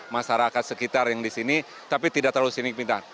masyarakat sekitar yang disini tapi tidak terlalu signifikan